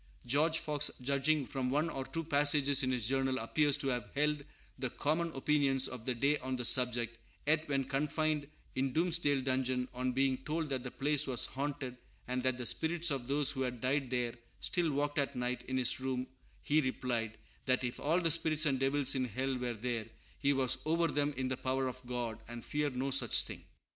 George Fox, judging from one or two passages in his journal, appears to have held the common opinions of the day on the subject; yet when confined in Doomsdale dungeon, on being told that the place was haunted and that the spirits of those who had died there still walked at night in his room, he replied, "that if all the spirits and devils in hell were there, he was over them in the power of God, and feared no such thing."